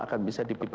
akan bisa di